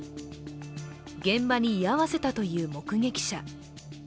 現場に居合わせたという目撃者。